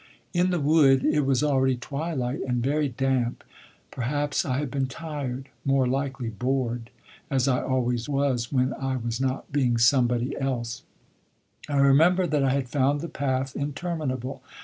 In the wood it was already twilight and very damp. Perhaps I had been tired, more likely bored as I always was when I was not being somebody else. I remember that I had found the path interminable.